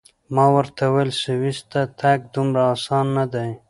ما ورته وویل: سویس ته تګ دومره اسان نه دی.